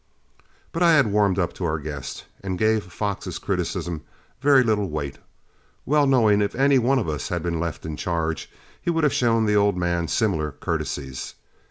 But I had warmed up to our guest, and gave Fox's criticism very little weight, well knowing if any one of us had been left in charge, he would have shown the old man similar courtesies.